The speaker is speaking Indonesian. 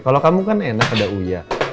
kalau kamu kan enak ada uya